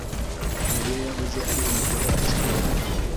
mariya yahoze ari umugore wa cyane